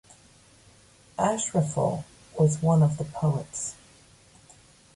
Ashraful was one of the poets.